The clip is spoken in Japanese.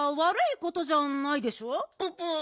ププ。